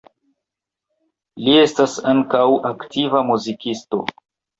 Li estas ankaŭ aktiva muzikisto.